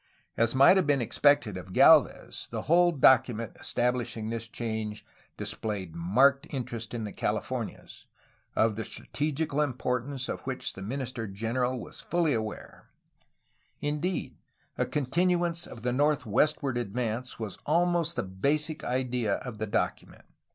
As might have been expected of Gdlvez, the whole document estab Ushing this change displayed marked interest in the Cali fornias, of the strategical importance of which the Minister General was fully aware; indeed, a continuance of the north westward advance was almost the basic idea of the docu ment.